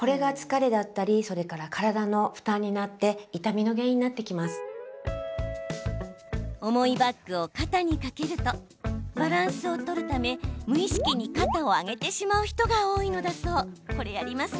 それから体の負担になって重いバッグを肩にかけるとバランスを取るため無意識に肩を上げてしまう人が多いのだそう。